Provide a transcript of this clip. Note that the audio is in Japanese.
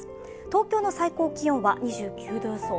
東京の最高気温は２９度予想